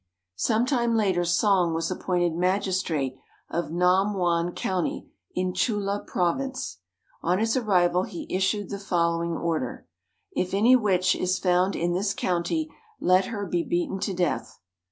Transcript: Some time later Song was appointed magistrate of Nam Won County in Chulla Province. On his arrival he issued the following order: "If any witch is found in this county, let her be beaten to death."